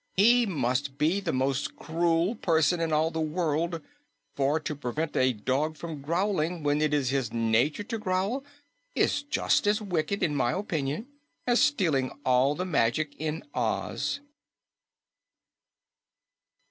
He must be the most cruel person in all the world, for to prevent a dog from growling when it is his nature to growl is just as wicked, in my opinion, as stealing all the magic in Oz."